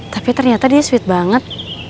tapi ternyata dia sweet banget